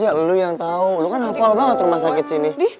eh enak aja lo yang tau lo kan hafal banget rumah sakit sini